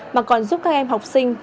mà còn giúp các em học sinh